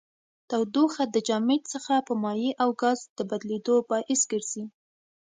تودوخه د جامد څخه په مایع او ګاز د بدلیدو باعث ګرځي.